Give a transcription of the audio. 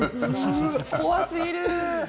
怖すぎる。